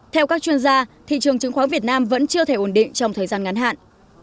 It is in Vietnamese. theo các chuyên gia thị trường chứng khoán việt nam vẫn chưa thể ổn định trong thời gian ngắn hạn